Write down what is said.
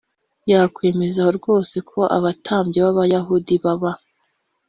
yakwemeza rwose ko abatambyi b Abayahudi baba